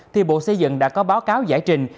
thì bộ xây dựng đã có báo cáo giải trình